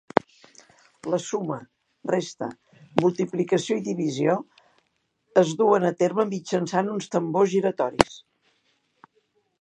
La suma, resta, multiplicació i divisió es duen a terme mitjançant uns tambors giratoris.